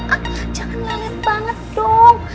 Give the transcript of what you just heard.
aduh jangan lelet banget dong